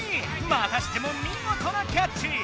またしてもみごとなキャッチ！